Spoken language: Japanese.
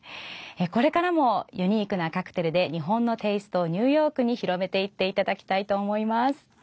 これからもユニークなカクテルで日本のテイストをニューヨークに広めていっていただきたいと思います。